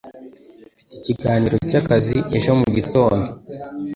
Mfite ikiganiro cyakazi ejo mugitondo.